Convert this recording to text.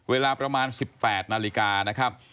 เวลาประมาณ๑๘นาฬิกานะครับ